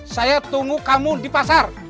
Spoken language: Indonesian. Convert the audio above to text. saya tunggu kamu di pasar